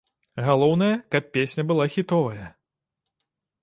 Галоўнае, каб песня была хітовая.